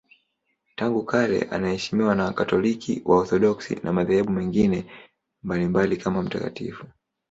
Tangu kale anaheshimiwa na Wakatoliki, Waorthodoksi na madhehebu mengine mbalimbali kama mtakatifu.